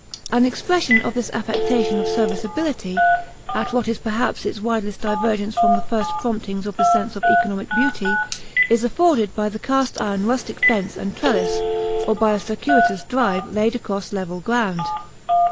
An expression of this affectation of serviceability, at what is perhaps its widest divergence from the first promptings of the sense of economic beauty, is afforded by the cast iron rustic fence and trellis or by a circuitous drive laid across level ground.